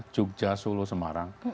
jogja solo semarang